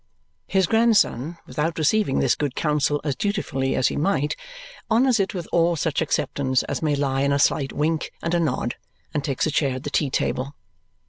His grandson, without receiving this good counsel as dutifully as he might, honours it with all such acceptance as may lie in a slight wink and a nod and takes a chair at the tea table.